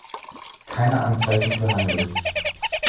Keine Anzeichen für Handel!